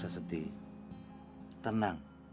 sampai jumpa lagi